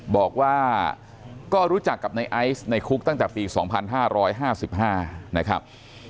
บอกว่าก็รู้จักกับในไอซ์ในคุกตั้งแต่ปี๒๕๕๕นะครับ